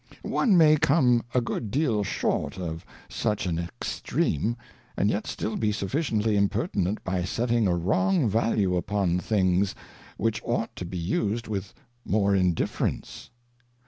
One may come a good deal short of such an Extream, and yet still be suflSciently Imperti nent, by setting a wrong Value upon things, which ought to be used with more indifference.